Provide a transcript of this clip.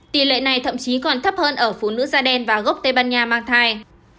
tỷ lệ này thậm chí còn thấp hơn ở phụ nữ da đen và gốc tây ban nha mang thai